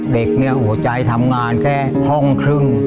เด็กเนี่ยหัวใจทำงานแค่ห้องครึ่ง